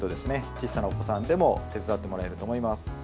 小さなお子さんでも手伝ってもらえると思います。